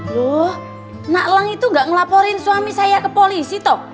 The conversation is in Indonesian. loh nak lang itu gak ngelaporin suami saya ke polisi toh